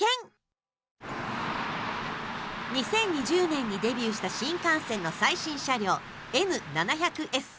２０２０年にデビューした新幹線の最新車両Ｎ７００Ｓ。